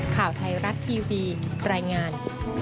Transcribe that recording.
ข่าวไทยรัฐทีวีรายงาน